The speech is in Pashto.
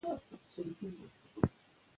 زه د کرپونکي سپک خواړه خوښوم.